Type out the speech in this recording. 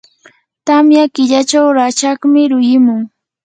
tamya killachaw rachakmi yurimun.